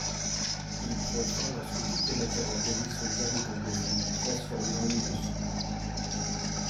Il prend fin lorsque toutes les matières organiques sont bien décomposées, transformées en humus.